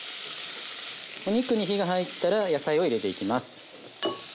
お肉に火が入ったら野菜を入れていきます。